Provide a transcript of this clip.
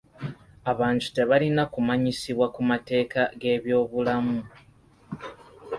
Abantu tebalina kumanyisibwa ku mateeka g'ebyobulamu.